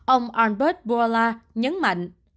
ông albert bourla nhấn mạnh